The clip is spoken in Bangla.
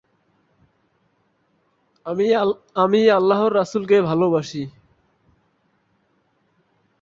অসম তথা ভারতের উত্তর-পূর্বাঞ্চলের উন্নতির জন্য তিনি অতুলনীয় অবদান রেখে গিয়েছেন।